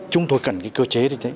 chúng tôi cần cái cơ chế này đấy